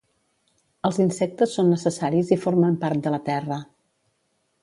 Els insectes són necessaris i formen part de la Terra